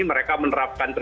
mereka menerapkan tiga g